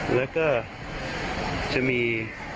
แล้วก็จะมี